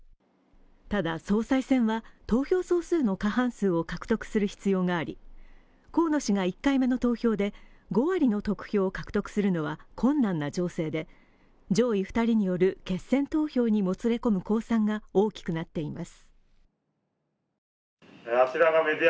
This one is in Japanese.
ただ、総裁選は投票総数の過半数を獲得する必要があり河野氏が１回目の投票で５割の得票を獲得するのは困難な情勢で、上位２人による決選投票にもつれ込む公算が大きくなっています。